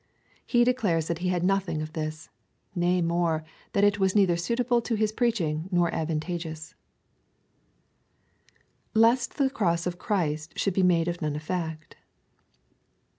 He declares that lie had nothing of this : nay more, that it was neither suitable to his preaching nor advantageous. Lest the cross of Christ should be made of none effect.